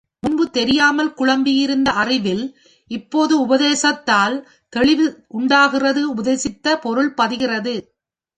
முன்பு தெரியாமல் குழம்பியிருந்த அறிவில் இப்போது உபதேசத்தால் தெளிவு உண்டாகிறது உபதேசித்த பொருள் பதிகிறது.